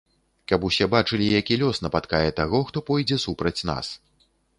Каб усе бачылі, які лёс напаткае таго, хто пойдзе супраць нас.